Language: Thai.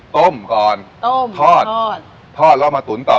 ต้มก่อนต้มทอดทอดแล้วมาตุ๋นต่อ